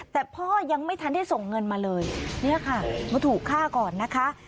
แต่พ่อยังไม่ทันได้ส่งเงินมาเลยเนี่ยค่ะมาถูกฆ่าก่อนนะคะ